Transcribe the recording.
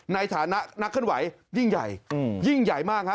ในฐานะนักเคลื่อนไหวยิ่งใหญ่ยิ่งใหญ่มากฮะ